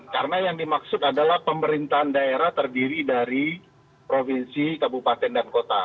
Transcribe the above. karena yang dimaksud adalah pemerintahan daerah terdiri dari provinsi kabupaten dan kota